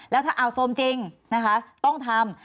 แล้วถ้าอ่าวโซมจริงนะคะต้องทำ